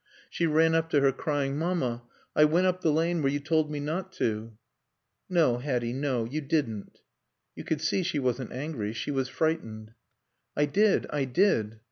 She ran up to her, crying, "Mamma, I went up the lane where you told me not to." "No, Hatty, no; you didn't." You could see she wasn't angry. She was frightened. "I did. I did."